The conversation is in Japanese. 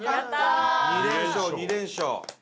２連勝２連勝。